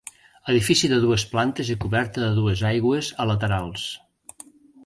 Edifici de dues plantes i coberta de dues aigües a laterals.